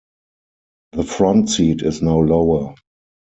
The front seat is now lower.